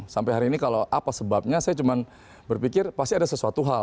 sampai hari ini kalau apa sebabnya saya cuma berpikir pasti ada sesuatu hal